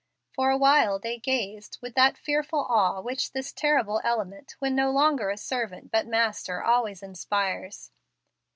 For a while they gazed with that fearful awe which this terrible element, when no longer servant, but master, always inspires.